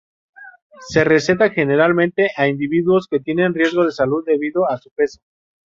Se receta generalmente a individuos que tienen riesgos de salud debido a su peso.